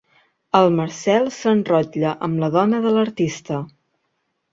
El Marcel s'enrotlla amb la dona de l'artista.